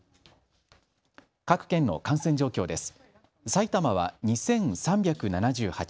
各県の感染状況です。